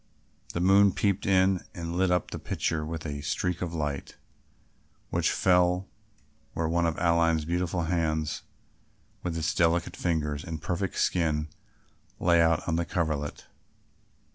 The moon peeped in and lit up the picture with a streak of light, which fell where one of Aline's beautiful hands with its delicate fingers and perfect skin lay out on the coverlet.